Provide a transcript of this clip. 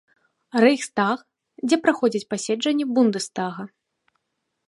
Рэйхстаг, дзе праходзяць паседжанні бундэстага.